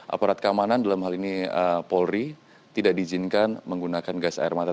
aparat keamanan dalam hal ini polri tidak diizinkan menggunakan gas air mata